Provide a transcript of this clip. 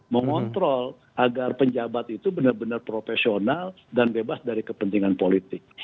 mengontrol agar penjabat itu benar benar profesional dan bebas dari kepentingan politik